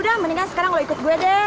udah mendingan sekarang lo ikut gue deh